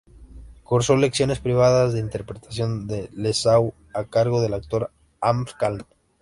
Cursó lecciones privadas de interpretación en Dessau a cargo del actor Hans Calm.